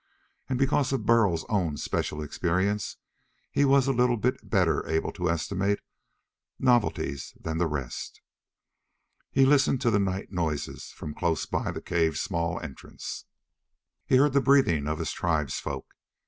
And because of Burl's own special experiences, he was a little bit better able to estimate novelties than the rest. He listened to the night noises from close by the cave's small entrance. He heard the breathing of his tribesfolk.